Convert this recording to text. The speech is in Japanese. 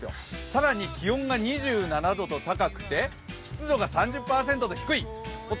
更に気温が２７度と高くて湿度が３０％と低い。